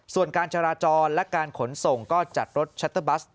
ส่วนการจราจรและการขนส่งก็จัดรถชัตเตอร์บัส